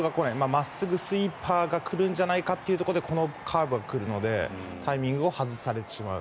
真っすぐ、スイーパーが来るんじゃないかということでこのカーブが来るのでタイミングを外されてしまう。